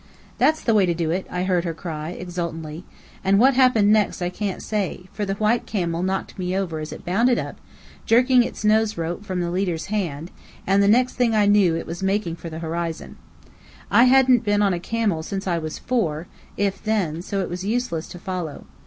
"That's the way to do it!" I heard her cry, exultantly and what happened next I can't say, for the white camel knocked me over as it bounded up, jerking its nose rope from the leader's hand, and the next thing I knew it was making for the horizon. I hadn't been on a camel since I was four, if then, so it was useless to follow.